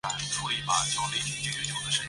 生于清圣祖康熙十一年。